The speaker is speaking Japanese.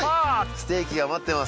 ステーキが待ってます